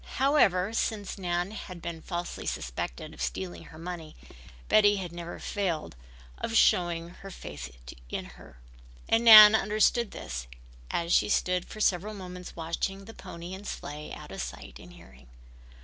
However, since Nan had been falsely suspected of stealing her money, Betty had never failed of showing her faith in her. And Nan understood this as she stood for several moments watching the pony and sleigh out of sight and hearing.